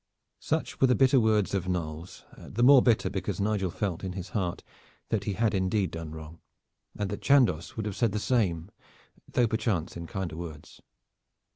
Such were the bitter words of Knolles, the more bitter because Nigel felt in his heart that he had indeed done wrong, and that Chandos would have said the same though, perchance, in kinder words.